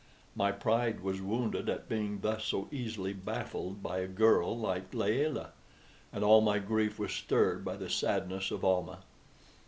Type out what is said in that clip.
My pride was wounded at being thus so easily baffled by a girl like Layelah, and all my grief was stirred by the sadness of Almah.